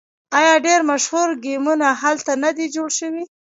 آیا ډیر مشهور ګیمونه هلته نه دي جوړ شوي؟